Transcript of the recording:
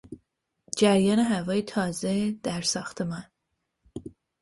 جریان هوای تازه در ساختمان